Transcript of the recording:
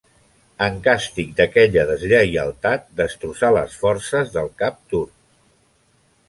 En càstig d'aquella deslleialtat destrossà les forces del cap turc.